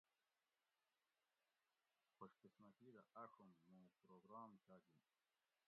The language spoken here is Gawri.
خوش قِسمتی دہ آۤڛوم مُوں پروگرام چاجِن